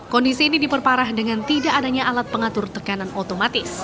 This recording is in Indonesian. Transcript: kondisi ini diperparah dengan tidak adanya alat pengatur tekanan otomatis